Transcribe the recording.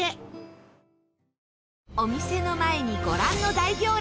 お店の前に、ご覧の大行列！